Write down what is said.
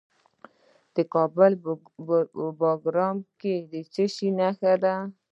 د کابل په بګرامي کې د څه شي نښې دي؟